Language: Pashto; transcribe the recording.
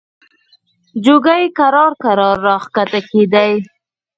جوګي کرار کرار را کښته کېدی.